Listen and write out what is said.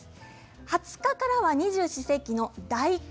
２０日からは二十四節気の大寒。